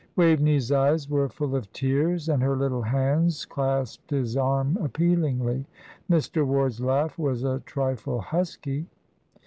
Waveney's eyes were full of tears, and her little hands clasped his arm appealingly. Mr. Ward's laugh was a trifle husky.